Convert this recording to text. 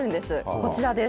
こちらです。